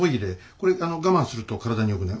これ我慢すると体によくない。